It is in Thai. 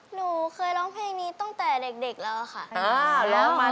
หนูเคยร้องเพลงนี้ตั้งแต่เด็กแล้วค่ะ